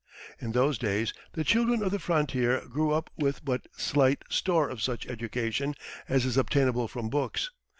In those days the children of the frontier grew up with but slight store of such education as is obtainable from books.